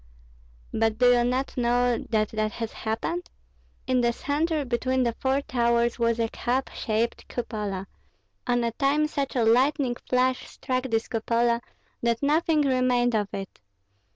"But do you not know that that has happened? In the centre between the four towers was a cap shaped cupola; on a time such a lightning flash struck this cupola that nothing remained of it.